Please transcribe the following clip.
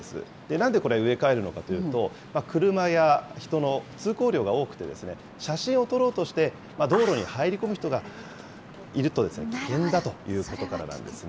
なんでこれ、植え替えるのかというと、車や人の通行量が多くて、写真を撮ろうとして、道路に入り込む人がいると危険だということからなんですね。